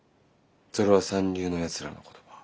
それは三流のやつらの言葉。